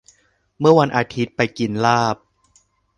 เมื่อวันอาทิตย์ไปกินลาบ